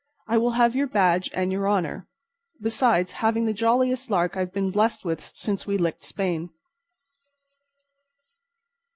I will have your badge and your honor, besides having the jolliest lark I've been blessed with since we licked Spain."